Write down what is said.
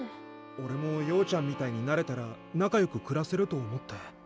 おれもようちゃんみたいになれたら仲よく暮らせると思って。